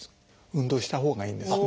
運動したほうがいいんですね。